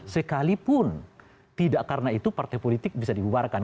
sekalipun tidak karena itu partai politik bisa dibubarkan